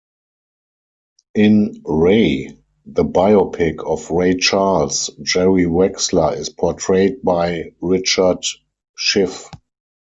In "Ray", the biopic of Ray Charles, Jerry Wexler is portrayed by Richard Schiff.